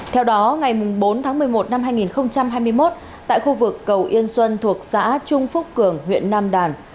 theo đó ngày bốn tháng một mươi một năm hai nghìn hai mươi một tại khu vực cầu yên xuân thuộc xã trung phúc cường huyện nam đàn